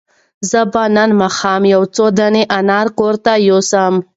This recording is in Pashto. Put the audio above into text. زه به نن ماښام یو څو دانې انار کور ته یوسم.